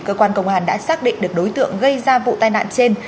cơ quan công an đã xác định được đối tượng gây ra vụ tai nạn trên